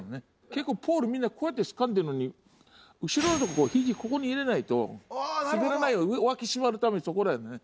結構ポールみんなこうやってつかんでるのに後ろでも肘ここに入れないと滑らないように脇しまるためにそこだよね